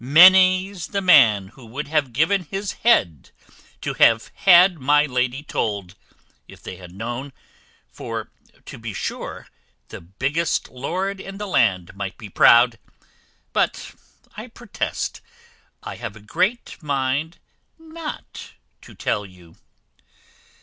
Many's the man would have given his head to have had my lady told, if they had known, for, to be sure, the biggest lord in the land might be proud but, I protest, I have a great mind not to tell you."